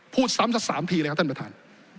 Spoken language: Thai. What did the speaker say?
พูดซ้ำสัก๓ทีเลยครับท่านประธาน